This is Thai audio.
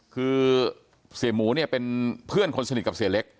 คือเสียหมูเนี่ยเป็นเพื่อนคนสนิทกับเสียเล็ก